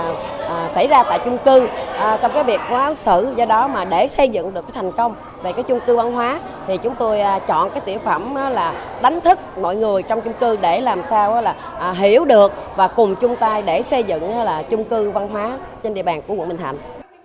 các trường hợp xảy ra tại chung cư trong cái việc quá ứng xử do đó mà để xây dựng được cái thành công về cái chung cư văn hóa thì chúng tôi chọn cái tiểu phẩm là đánh thức mọi người trong chung cư để làm sao là hiểu được và cùng chung tay để xây dựng là chung cư văn hóa trên địa bàn của quận bình thạnh